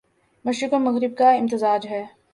مشرق و مغرب کا امتزاج ہے